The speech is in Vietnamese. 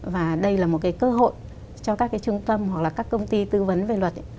và đây là một cái cơ hội cho các cái trung tâm hoặc là các công ty tư vấn về luật